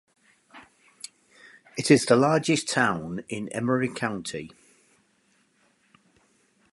It is the largest town in Emery County.